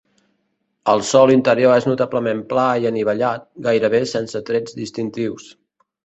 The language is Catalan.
El sòl interior és notablement pla i anivellat, gairebé sense trets distintius.